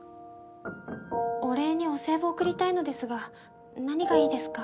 お礼にお歳暮贈りたいのですが何がいいですか？